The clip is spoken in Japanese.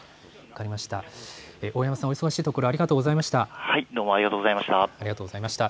大山さん、お忙しいところありがとうございました。